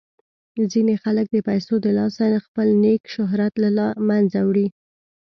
ځینې خلک د پیسو د لاسه خپل نیک شهرت له منځه وړي.